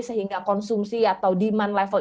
sehingga konsumsi atau demand level